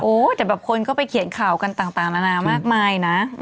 แต่แบบคนก็ไปเขียนข่าวกันต่างนานามากมายนะ